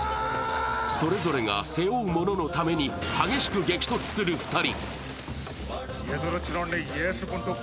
それぞれが背負うもののために激しく激突する２人。